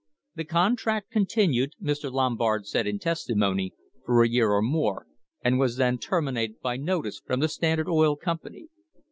The contract continued, Mr. Lombard said in testimony, for a year or more, and was then terminated by notice from the Standard Oil Company.